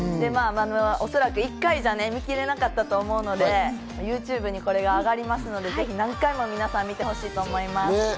おそらく１回じゃ見きれなかったと思うので、ＹｏｕＴｕｂｅにこれがあがりますので、何回も見てほしいと思います。